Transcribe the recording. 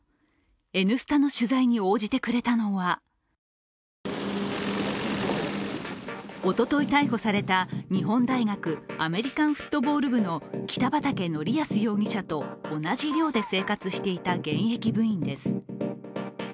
「Ｎスタ」の取材に応じてくれたのはおととい逮捕された日本大学アメリカンフットボール部の北畠成文容疑者と同じ寮で生活していた現役部員です。